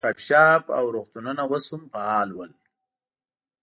کافې شاپ او روغتونونه اوس هم فعال ول.